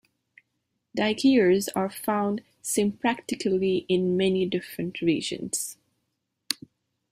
Duikers are found sympatrically in many different regions.